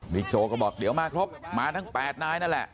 โจ๊ก็บอกเดี๋ยวมาครบมาทั้ง๘นายนั่นแหละ